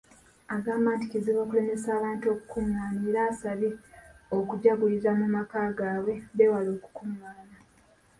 Agamba nti kizibu okulemesa abantu okukungaana era abasabye okujaguliza mu maka gaabwe beewale okukungaana.